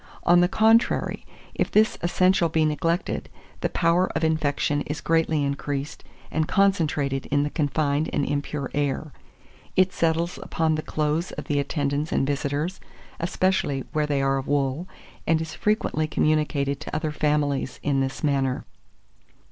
On the contrary, if this essential be neglected, the power of infection is greatly increased and concentrated in the confined and impure air; it settles upon the clothes of the attendants and visitors, especially where they are of wool, and is frequently communicated to other families in this manner.